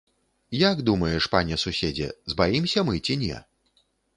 Як думаеш, пане суседзе, збаімся мы ці не?